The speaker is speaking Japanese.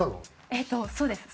えっとそうです。